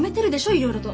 いろいろと。